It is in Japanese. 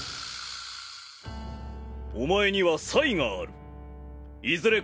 お前には才があるいずれ